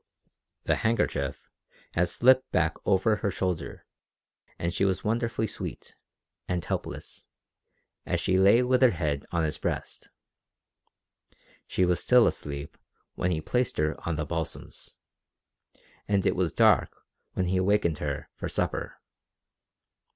The handkerchief had slipped back over her shoulder and she was wonderfully sweet, and helpless, as she lay with her head on his breast. She was still asleep when he placed her on the balsams, and it was dark when he awakened her for supper.